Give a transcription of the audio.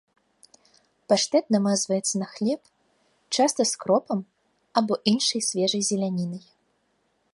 Паштэт намазваецца на хлеб, часта з кропам або іншай свежай зелянінай.